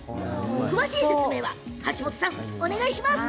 詳しい説明は橋本さんお願いします。